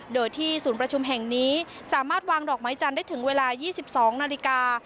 โดยที่ศูนย์ประชุมแห่งนี้สามารถวางดอกไม้จันทร์ได้ถึงเวลา๒๒นาฬิกา